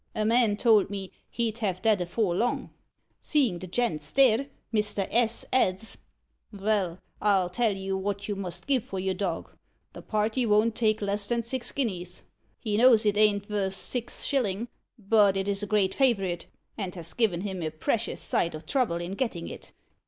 A man told me he'd have that afore long.' Seein' the gent stare, Mr. S. adds, 'Vel, I'll tell you wot you must give for your dog. The party von't take less than six guineas. He knows it ain't vorth six shillin', but it's a great favourite, and has given him a precious sight o' trouble in gettin' it.'